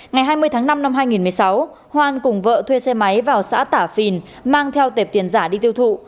ngày hai mươi tháng năm năm hai nghìn một mươi sáu hoan cùng vợ thuê xe máy vào xã tả phìn mang theo tệp tiền giả đi tiêu thụ